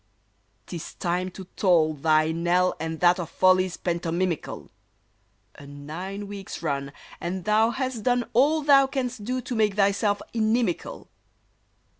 'T is time to toll Thy knell, and that of follies pantomimical: A nine weeks' run, And thou hast done All thou canst do to make thyself inimical.